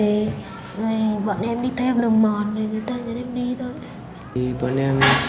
rồi bọn em đi theo đường mòn thì người ta dẫn em đi thôi